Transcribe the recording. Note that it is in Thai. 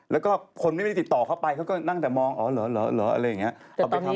แล้วก็คนไม่ได้ติดต่อเข้าไปเขาก็นั่งแต่มองอ๋อเหรออะไรอย่างนี้